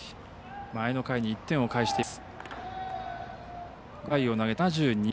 前の回に１点を返しています